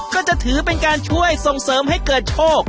ก็จะถือเป็นการช่วยส่งเสริมให้เกิดโชค